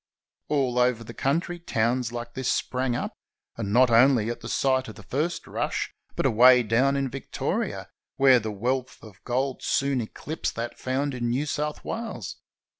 All over the country towns like this sprang up, and not only at the site of the first rush, but away down in Victoria, where the wealth of gold soon eclipsed that found in New South Wales.